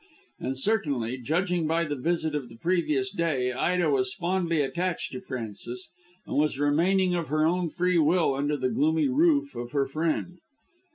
And certainly, judging by the visit of the previous day, Ida was fondly attached to Frances, and was remaining of her own free will under the gloomy roof of her friend.